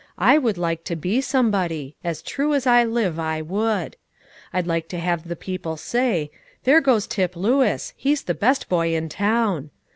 I would like to be somebody, as true as I live, I would. I'd like to have the people say, 'There goes Tip Lewis; he's the best boy in town.'